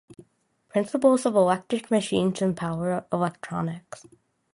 Principles of Electric Machines and Power Electronics.